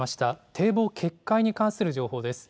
堤防決壊に関する情報です。